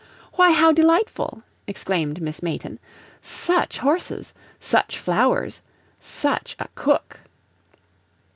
"Why, how delightful!" exclaimed Miss Mayton. "SUCH horses! SUCH flowers! SUCH a cook!"